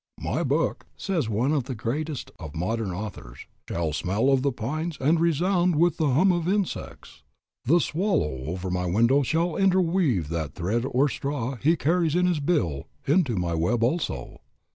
"My book," says one of the greatest of modern authors, "shall smell of the pines and resound with the hum of insects. The swallow over my window shall interweave that thread or straw he carries in his bill into my web also."